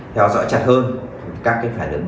theo dõi chặt hơn các cái phản ứng của chúng ta